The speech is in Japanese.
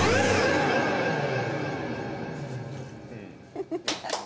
フフフ。